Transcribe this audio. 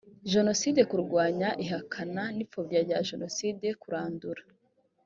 jenoside kurwanya ihakana n ipfobya rya jenoside kurandura